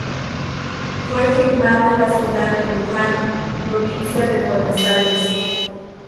Fue filmada en la ciudad de Luján, provincia de Buenos Aires.